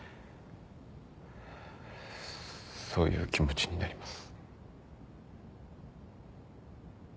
そういう気持ちになります。